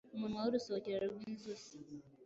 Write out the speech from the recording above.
umunwa w’”urusohokero” rw’inzuz